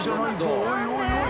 おいおい